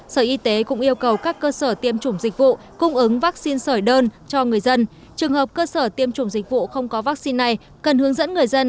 sở y tế cũng yêu cầu các cơ sở tiêm chủng dịch vụ cung ứng vaccine sởi đơn cho người dân